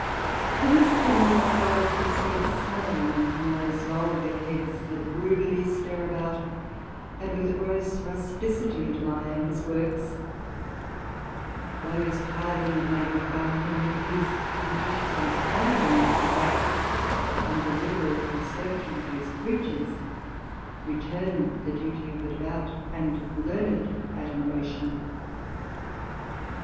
The wisdom of God receives small honour from those vulgar Heads that rudely stare about, and with a gross rusticity admire his works; those highly magnifie him, whose judicious inquiry into His Acts, and deliberate research into His Creatures, return the duty of a devout and learned admiration.